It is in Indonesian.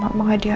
mama hadiah aja